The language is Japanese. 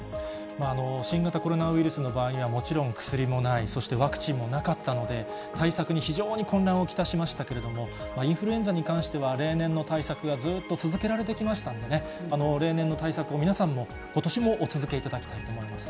新型コロナウイルスの場合にはもちろん、薬もない、そしてワクチンもなかったので、対策に非常に混乱を来たしましたけれども、インフルエンザに関しては、例年の対策がずっと続けられてきましたので、例年の対策を、皆さんも、ことしもお続けいただきたいと思います。